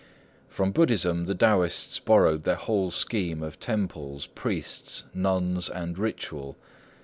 From Buddhism the Taoists borrowed their whole scheme of temples, priests, nuns, and ritual.